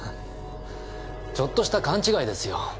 ちょっとした勘違いですよ。